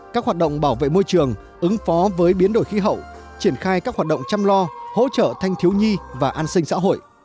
các hoạt động bảo vệ môi trường ứng phó với biến đổi khí hậu triển khai các hoạt động chăm lo hỗ trợ thanh thiếu nhi và an sinh xã hội